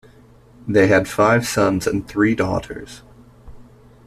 They had five sons and three daughters.